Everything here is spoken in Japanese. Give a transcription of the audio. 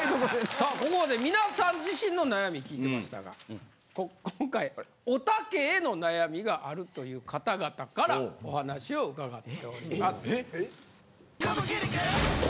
さあここまで皆さん自身の悩み聞いてましたが今回おたけへの悩みがあるという方々からお話を伺っております。